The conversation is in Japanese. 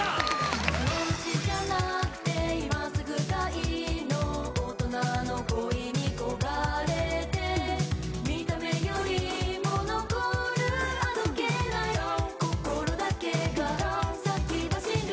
そのうちじゃなくて今すぐがいいの大人の恋に焦がれて見た目よりも残るあどけないＡｈ心だけがＡｈ先走る